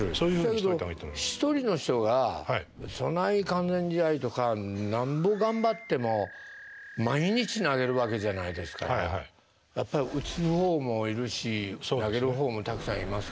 そやけど１人の人がそない完全試合とかなんぼ頑張っても毎日投げるわけじゃないですからやっぱり打つほうもいるし投げるほうもたくさんいますからね。